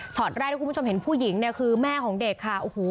ฉอดแรกเมืองผู้หญิงคือแม่ของเด็กอ๋อหัว